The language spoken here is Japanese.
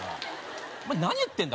お前何言ってんだ？